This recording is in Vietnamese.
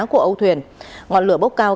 của âu thuyền ngọn lửa bốc cao